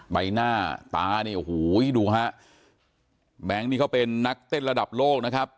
ใบหน้าตาเนี่ยโอ้โหดูฮะแบงค์นี่เขาเป็นนักเต้นระดับโลกนะครับ